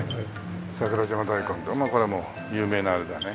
桜島大根これはもう有名なあれだね。